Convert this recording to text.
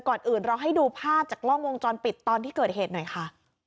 ก่อนอื่นเราให้ดูภาพจากกล้องวงจรปิดตอนที่เกิดเหตุหน่อยค่ะ